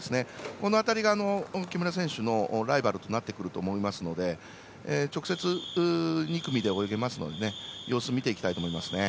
この辺りが、木村選手のライバルとなってくると思いますので直接、２組で泳ぎますので様子を見ていきたいと思います。